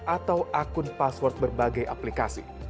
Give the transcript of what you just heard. atau akun password berbagai aplikasi